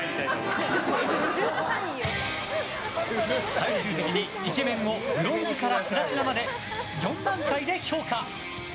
最終的にイケメンをブロンズからプラチナまで４段階で評価。